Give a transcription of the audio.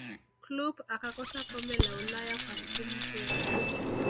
kloop akakosa kombe la ulaya kwa msimu huo